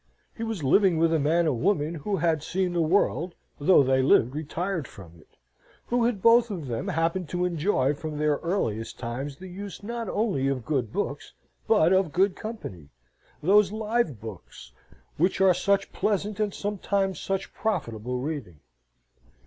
He was living with a man and woman who had seen the world, though they lived retired from it, who had both of them happened to enjoy from their earliest times the use not only of good books, but of good company those live books, which are such pleasant and sometimes such profitable reading.